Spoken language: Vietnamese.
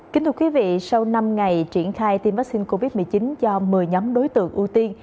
kính thưa quý vị sau năm ngày triển khai tiêm vaccine covid một mươi chín cho một mươi nhóm đối tượng ưu tiên